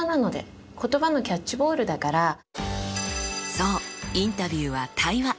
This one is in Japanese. そうインタビューは対話。